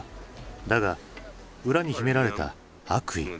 だが裏に秘められた悪意。